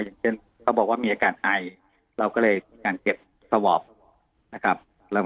อย่างเช่นเขาบอกว่ามีอาการไอเราก็เลยมีการเก็บสวอปนะครับ